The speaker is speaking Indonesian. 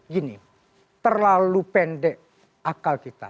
gini terlalu pendek akal kita